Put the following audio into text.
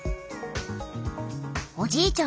おじいちゃん